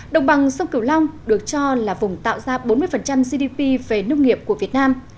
đồng bằng sông cửu long được cho là vùng tạo ra bốn mươi gdp về nông nghiệp của việt nam